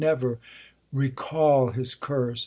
209 Never recal his curse